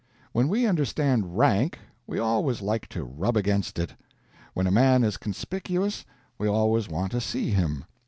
When we understand rank, we always like to rub against it. When a man is conspicuous, we always want to see him.